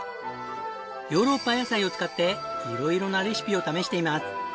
ヨーロッパ野菜を使っていろいろなレシピを試しています。